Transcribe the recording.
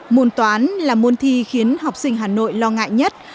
môn toán là môn thi khiến học sinh hà nội lo ngại nhất